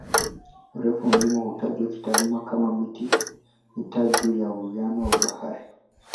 Urefu wa mlima hutajwa kitaalamu kwa "mita juu ya uwiano wa bahari".